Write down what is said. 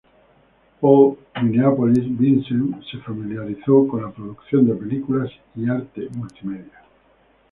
Paul, Minneapolis, Vincent se familiarizó con la producción de películas y artes multimedia.